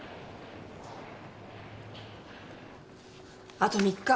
あと３日。